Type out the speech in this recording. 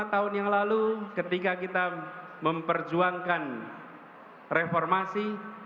lima tahun yang lalu ketika kita memperjuangkan reformasi